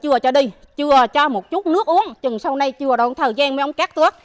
chưa cho đi chưa cho một chút nước uống chừng sau này chưa đón thời gian với ông cát tước